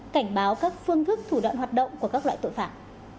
cảnh báo các phương thức thủ đoạn hoạt động của các loại tội phạm